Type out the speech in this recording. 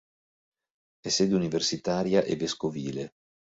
È sede universitaria e vescovile.